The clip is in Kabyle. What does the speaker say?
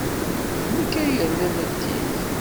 D nekk ay yernan atig.